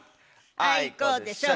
あいこでしょ。